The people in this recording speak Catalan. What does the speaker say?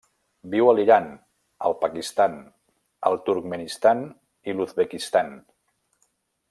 Viu a l'Iran, el Pakistan, el Turkmenistan i l'Uzbekistan.